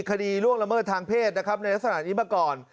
คดีล่วงละเมิดทางเพศนะครับในสถานีเมื่อก่อน